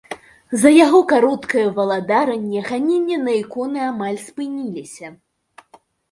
За яго кароткае валадаранне ганенні на іконы амаль спыніліся.